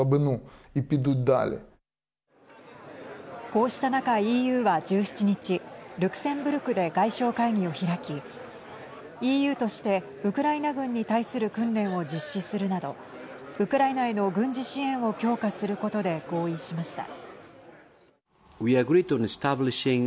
こうした中、ＥＵは１７日ルクセンブルクで外相会議を開きＥＵとしてウクライナ軍に対する訓練を実施するなどウクライナへの軍事支援を強化することで合意しました。